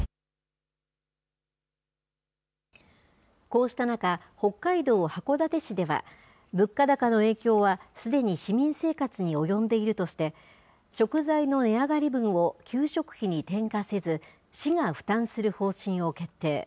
こうした中、北海道函館市では、物価高の影響はすでに市民生活に及んでいるとして、食材の値上がり分を給食費に転嫁せず、市が負担する方針を決定。